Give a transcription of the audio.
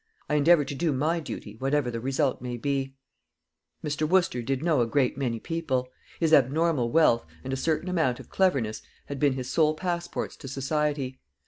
I endeavour to do my duty, whatever the result may be." Mr. Wooster did know a great many people. His abnormal wealth, and a certain amount of cleverness, had been his sole passports to society.